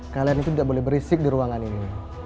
kalian itu tidak boleh berisik di ruangan ini